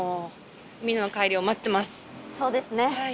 そうですね。